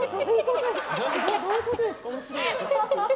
どういうことですか。